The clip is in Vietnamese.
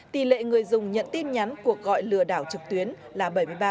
tỷ lệ người dùng nhận tin nhắn cuộc gọi lừa đảo trực tuyến là bảy mươi ba